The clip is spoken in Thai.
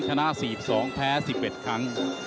ชนะ๔๒แพ้๑๑ครั้ง